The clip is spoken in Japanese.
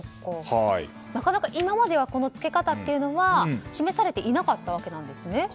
今まではこの付け方というのは示されていなかったわけなんですね。